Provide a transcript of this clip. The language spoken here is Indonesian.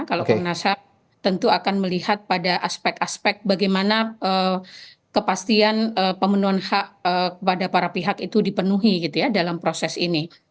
kalau komnas ham tentu akan melihat pada aspek aspek bagaimana kepastian pemenuhan hak kepada para pihak itu dipenuhi gitu ya dalam proses ini